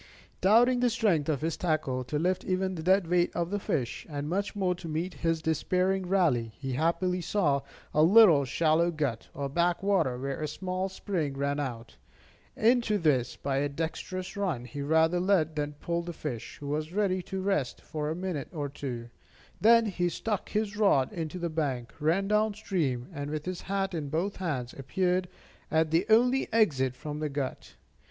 Doubting the strength of his tackle to lift even the dead weight of the fish, and much more to meet his despairing rally, he happily saw a little shallow gut, or back water, where a small spring ran out. Into this by a dexterous turn he rather led than pulled the fish, who was ready to rest for a minute or two; then he stuck his rod into the bank, ran down stream, and with his hat in both hands appeared at the only exit from the gut.